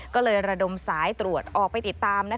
ก็เลยระดมสายตรวจออกไปติดตาม